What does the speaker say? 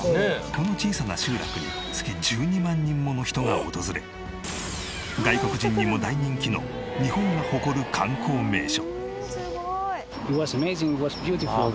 この小さな集落に月１２万人もの人が訪れ外国人にも大人気の日本が誇る観光名所。